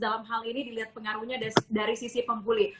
dalam hal ini dilihat pengaruhnya dari sisi pembuli